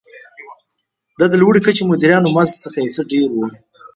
دا د لوړې کچې مدیرانو مزد څخه یو څه ډېر و.